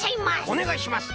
おねがいします！